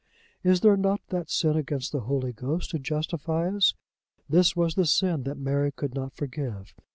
Is there not that sin against the Holy Ghost to justify us? This was the sin that Mary could not forgive.